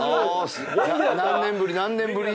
何年ぶり？何年ぶり？